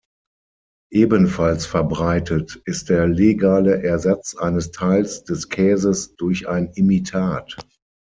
Ebenfalls verbreitet ist der legale Ersatz eines Teils des Käses durch ein Imitat.